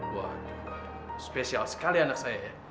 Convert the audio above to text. wah spesial sekali anak saya ya